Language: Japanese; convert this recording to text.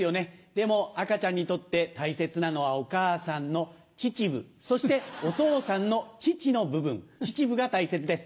でも赤ちゃんにとって大切なのはお母さんのチチブそしてお父さんの父の部分チチブが大切です。